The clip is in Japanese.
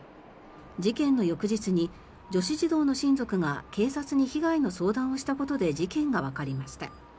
事件の翌日に女子児童の親族が警察に被害の相談をしたことで事件がわかりました。